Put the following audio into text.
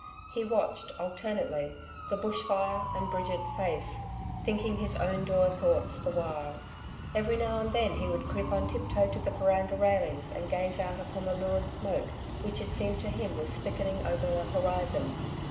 He watched, alternately, the Bush fire and Bridget's face, thinking his own dour thoughts the while. Every now and then, he would creep on tip toe to the veranda railings and gaze out upon the lurid smoke which it seemed to him was thickening over the horizon.